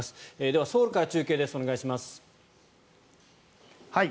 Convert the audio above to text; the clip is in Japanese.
では、ソウルから中継です。